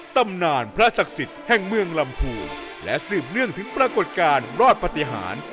ตำนานพระศักดิ์สิทธิ์แห่งเมืองลำพูและสืบเนื่องถึงปรากฏการณ์รอดปฏิหาร